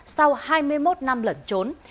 sau hai mươi một năm lẩn trốn